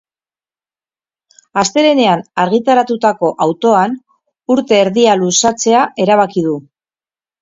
Astelehenean argitaratutako autoan, urte erdia luzatzea erabaki du.